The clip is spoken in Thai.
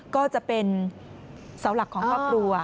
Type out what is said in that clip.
ก็จะเป็นเสาหลักของครอบครัว